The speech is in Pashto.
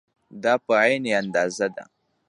دا په عین اندازه ده.